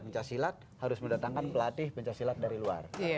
pencak silat harus mendatangkan pelatih pencak silat dari luar